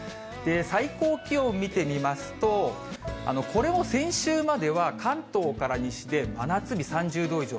最高気温を見てみますと、これも先週までは、関東から西で真夏日３０度以上。